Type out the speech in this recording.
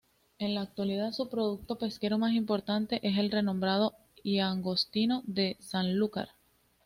En la actualidad, su producto pesquero más importante es el renombrado langostino de Sanlúcar.